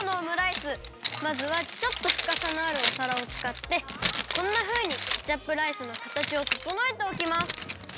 まずはちょっとふかさのあるおさらをつかってこんなふうにケチャップライスのかたちをととのえておきます。